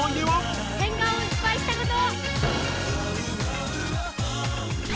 はい。